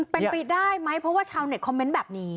เป็นไปได้ไหมเพราะว่าชาวเน็ตคอมเมนต์แบบนี้